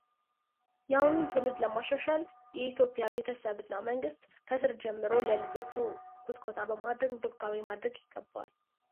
Hertling initiated several programs of innovative culture.